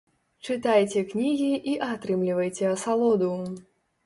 Чытайце кнігі і атрымлівайце асалоду!